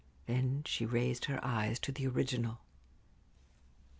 Then she raised her eyes to the original.